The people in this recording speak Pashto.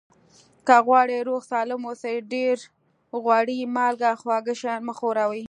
که غواړئ روغ سالم اوسئ ډېر غوړي مالګه خواږه شیان مه خوری